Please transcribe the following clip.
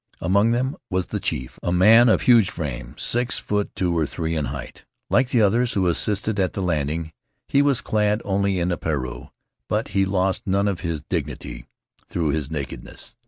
Among them was the chief, a man of huge frame, six feet two or three in height. Like the others who assisted at the landing, he was clad only in a pareu, but he lost none of his dignity through his nakedness.